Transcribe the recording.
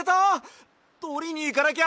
とりにいかなきゃ！